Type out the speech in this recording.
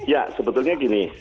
ya sebetulnya gini